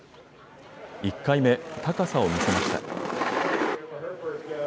１回目、高さを見せました。